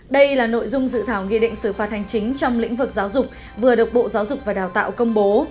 đây là nội dung dự thảo nghị định xử phạt hành chính trong lĩnh vực giáo dục vừa được bộ giáo dục và đào tạo công bố